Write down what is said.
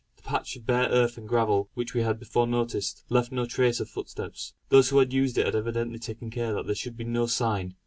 The patch of bare earth and gravel, which we had before noticed, left no trace of footsteps. Those who had used it had evidently taken care that there should be no sign.